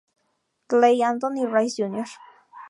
Glen Anthony Rice Jr.